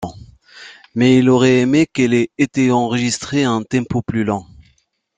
Mais il aurait aimé qu’elle ait été enregistrée à un tempo plus lent.